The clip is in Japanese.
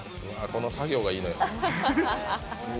この作業がいいのよ。